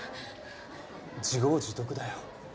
自業自得だよ。